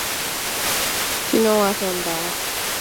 昨日遊んだ